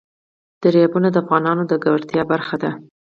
دریابونه د افغانانو د ګټورتیا برخه ده.